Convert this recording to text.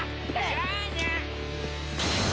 じゃあな。